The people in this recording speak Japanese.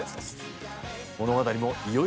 物語もいよいよ佳境。